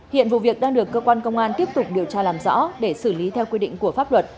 hiện vụ việc đang được cơ quan công an tiếp tục điều tra làm rõ để xử lý theo quy định của pháp luật